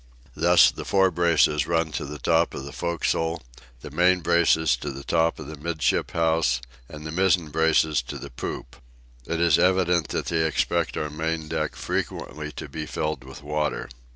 Thus, the fore braces run to the top of the forecastle, the main braces to the top of the 'midship house, and the mizzen braces to the poop. It is evident that they expect our main deck frequently to be filled with water.